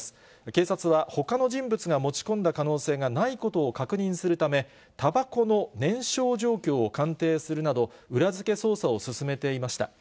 警察は、ほかの人物が持ち込んだ可能性がないことを確認するため、たばこの燃焼状況を鑑定するなど、裏付け捜査を進めていました。